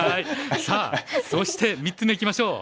さあそして３つ目いきましょう。